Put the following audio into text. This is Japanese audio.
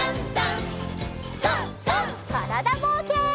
からだぼうけん。